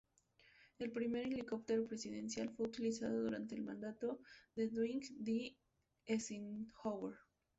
El primer helicóptero presidencial fue utilizado durante el mandato de Dwight D. Eisenhower.